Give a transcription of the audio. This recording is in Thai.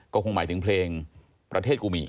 ก็คงหมายถึงเพลงประเทศกุมิ